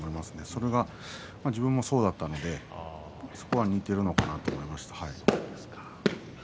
それは自分もそうだったので似ているのかなと思います。